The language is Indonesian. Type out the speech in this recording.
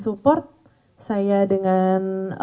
support saya dengan